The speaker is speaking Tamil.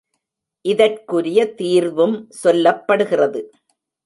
இதற்குரிய தீர்வும் சொல்லப்படுகிறது.